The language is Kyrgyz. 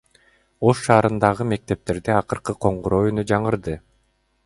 Ош шаарындагы мектептерде акыркы коңгуроо үнү жаңырды.